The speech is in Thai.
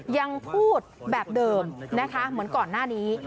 ยังพูดแบบเดิมนะคะเหมือนก่อนหน้านี้